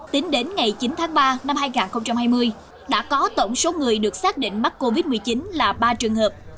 tính đến ngày chín tháng ba năm hai nghìn hai mươi đã có tổng số người được xác định mắc covid một mươi chín là ba trường hợp